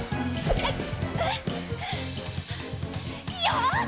よし！